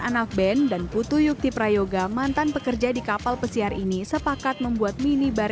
anak ben dan putu yukti prayoga mantan pekerja di kapal pesiar ini sepakat membuat mini bar